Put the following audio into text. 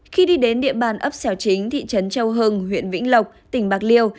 khi đi đến địa bàn ấp xẻo chính thị trấn châu hưng huyện vĩnh lộc tỉnh bạc liêu